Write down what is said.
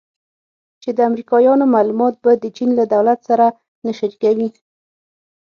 چې د امریکایانو معلومات به د چین له دولت سره نه شریکوي